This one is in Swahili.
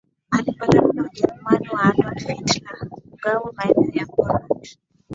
alipatana na Ujerumani wa Adolf Hitler kugawa maeneo ya Poland